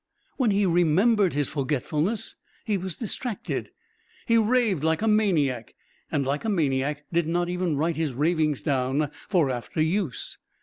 When he remembered his forgetfulness, he was distracted. He raved like a maniac and like a maniac did not even write his ravings down for after use.